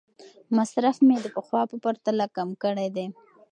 مصرف مې د پخوا په پرتله کم کړی دی.